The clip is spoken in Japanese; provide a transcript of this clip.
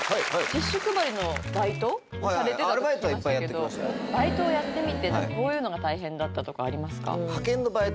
ティッシュ配りのバイトされてたと聞きましたけどバイトをやってみてこういうのが大変だったとかありますか？